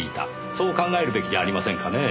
そう考えるべきじゃありませんかねぇ。